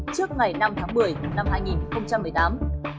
trước ngày năm tháng một mươi năm hai nghìn một mươi tám